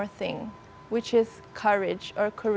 yaitu kesehatan otak dan perangkat